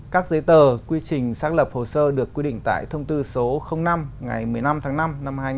các giấy tờ quy trình xác lập hồ sơ được quy định tại thông tư số năm ngày một mươi năm tháng năm năm hai nghìn một mươi